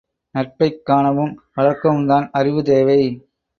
நட்பைக் காணவும் வளர்க்கவும்தான் அறிவு தேவை.